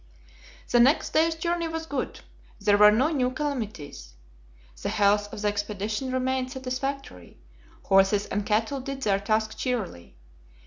The next day's journey was good; there were no new calamities. The health of the expedition remained satisfactory; horses and cattle did their task cheerily.